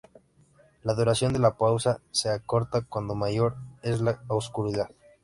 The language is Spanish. La duración de la pausa se acorta cuando mayor es la oscuridad.